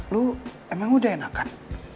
lo emang udah enakan